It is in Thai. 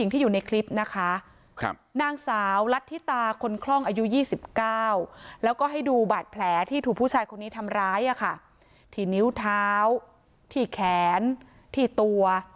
ที่สิบเก้าแล้วก็ให้ดูบัดแผลที่ถูกผู้ชายคนนี้ทำร้ายอะค่ะที่นิ้วเท้าที่แขนที่ตัว